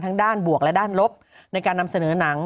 ด้านบวกและด้านลบในการนำเสนอหนัง